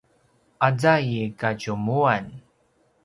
aza i kadjumuan